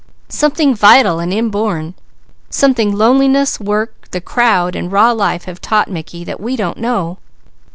Something vital and inborn. Something loneliness, work, the crowd, and raw life have taught Mickey, that we don't know.